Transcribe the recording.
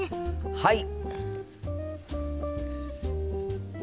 はい！